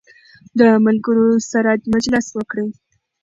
د ملګرو سره مجلس وکړئ.